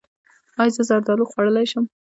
ایا زه زردالو خوړلی شم؟